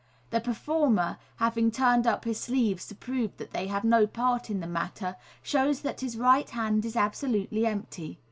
The performer, having turned up his sleeves to prove that they have no part in the matter, shows that his right hand is absolutely empty.